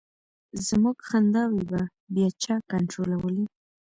زمونږ خنداوې به بیا چا کنټرولولې.